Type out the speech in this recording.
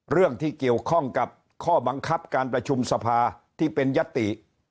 เรื่องที่เกี่ยวข้องกับข้อบังคับการประชุมสภาที่เป็นยติ